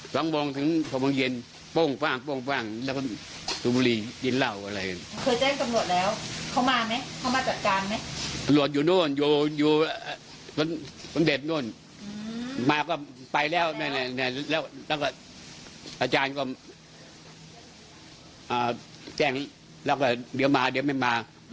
แจ้งแล้วก็เดี๋ยวมาเดี๋ยวไม่มา